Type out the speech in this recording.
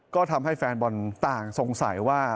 ก็ทำให้แฟนบอลต่างสงสัยว่า